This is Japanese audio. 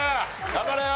頑張れよ！